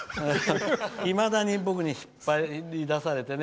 いまだに僕に引っ張り出されてね。